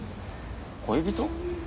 恋人？